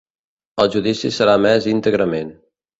El judici serà emès íntegrament